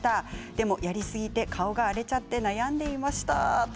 でもやりすぎて顔が荒れちゃって悩んでいました。